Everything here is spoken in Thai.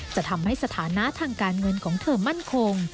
จะทำให้สถานะทางการเงินของเธอมั่นคง